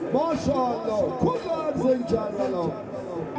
masya allah kudar zin jamanah